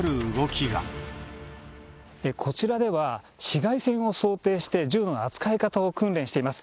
こちらでは、市街戦を想定して、銃の扱い方を訓練しています。